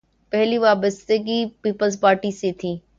پہلی وابستگی Peoples Party سے تھی۔